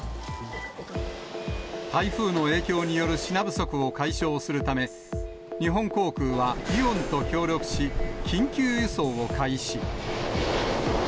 台風の影響による品不足を解消するため、日本航空はイオンと協力し、緊急輸送を開始。